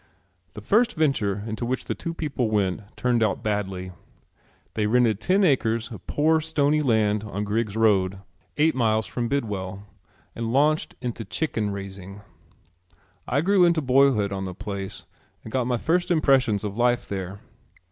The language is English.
The first venture into which the two people went turned out badly. They rented ten acres of poor stony land on Griggs's Road, eight miles from Bidwell, and launched into chicken raising. I grew into boyhood on the place and got my first impressions of life there.